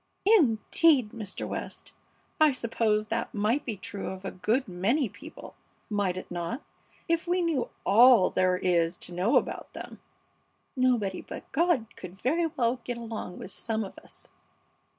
"Indeed! Mr. West, I suppose that might be true of a good many people, might it not, if we knew all there is to know about them? Nobody but God could very well get along with some of us."